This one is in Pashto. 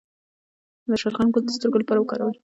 د شلغم ګل د سترګو لپاره وکاروئ